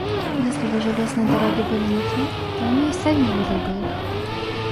Если бы железные дороги были нужны, то они и сами ввели бы их.